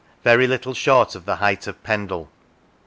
very little short of the height of Pendle.